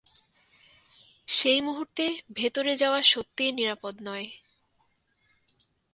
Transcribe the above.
সেই মুহূর্তে, ভিতরে যাওয়া সত্যিই নিরাপদ নয়।